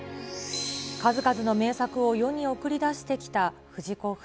数々の名作を世に送り出してきた藤子